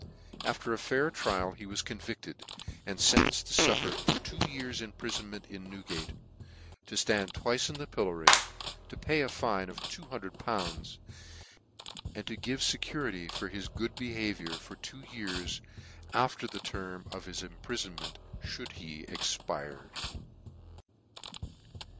After a fair trial he was convicted, and fen tenced to fuffer two years imprifonment in New gate, to ftand twice in the pillory, to pay a fine of two hundred pounds, and to give fecurity for his good behaviour for two years after the term of his imprifonment fliould he expired.